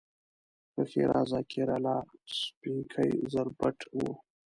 ښه ښېرازه کیراله، سپینکۍ زربټ و